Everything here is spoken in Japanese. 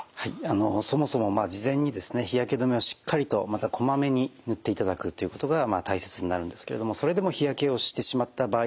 そもそもまあ事前にですね日焼け止めをしっかりとまたこまめに塗っていただくということが大切になるんですけれどもそれでも日焼けをしてしまった場合ですね